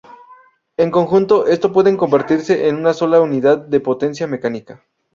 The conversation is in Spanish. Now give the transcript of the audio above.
En conjunto, estos pueden convertirse en una sola unidad de potencia mecánica.